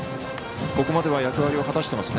ここまでは役割を果たしています。